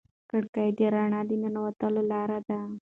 کړکۍ د رڼا د ننوتلو لار ده.